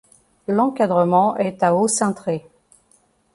L'encadrement est à haut cintré.